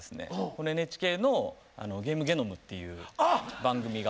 このＮＨＫの「ゲームゲノム」っていう番組が。